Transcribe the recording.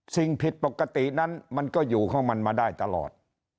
สิ่งผิดปกตินั้นมันก็อยู่ของมันมาได้ตลอด